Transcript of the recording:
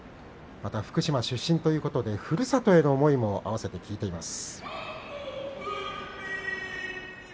福島出身ということでふるさとへの思いも合わせて聞いています。